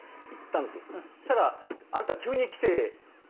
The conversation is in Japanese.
そしたら「あんた急に来て」。